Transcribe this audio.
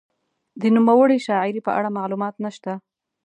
د نوموړې شاعرې په اړه معلومات نشته.